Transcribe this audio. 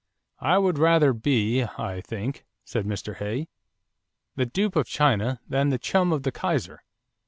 "I would rather be, I think," said Mr. Hay, "the dupe of China than the chum of the Kaiser."